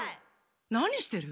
何してる？